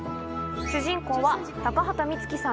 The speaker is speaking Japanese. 主人公は高畑充希さん